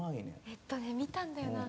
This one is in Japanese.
えっとね見たんだよな。